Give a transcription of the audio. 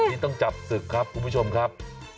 นี่ต้องจับศึกครับคุณผู้ชมครับ